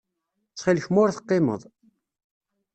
Ttxil-k ma ur teqqimeḍ.